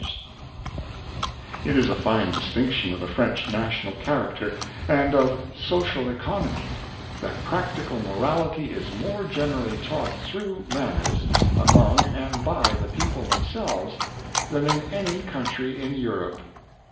Cheerfulness, 27 It is a fine distinction of the French national character, and of social economy, that practical morality is more generally taught through manners, among and by the people themselves than in any country in Europe."